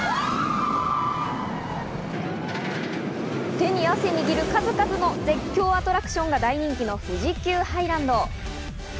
手に汗握る、数々の絶叫アトラクションが大人気の富士急ハイランド。